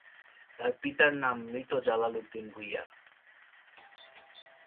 তার পিতার নাম মৃত জালাল উদ্দিন ভূঁইয়া।